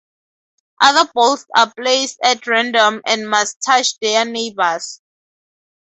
Other balls are placed at random and must touch their neighbors.